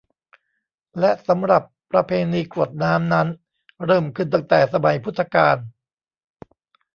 และสำหรับประเพณีกรวดน้ำนั้นเริ่มขึ้นตั้งแต่สมัยพุทธกาล